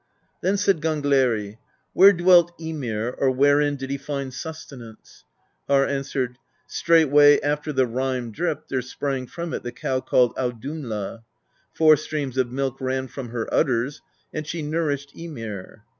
Then said Gangleri: "Where dwelt Ymir, or wherein did he find sustenance?" Harr answered: "Straightway after the rime dripped, there sprang from it the cow called Audumla; four streams of milk ran from her udders, and she nourished Ymir."